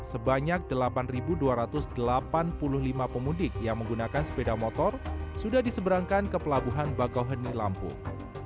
sebanyak delapan dua ratus delapan puluh lima pemudik yang menggunakan sepeda motor sudah diseberangkan ke pelabuhan bakauheni lampung